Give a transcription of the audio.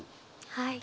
はい。